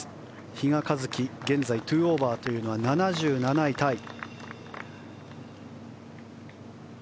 比嘉一貴、現在２オーバーは７７位タイ。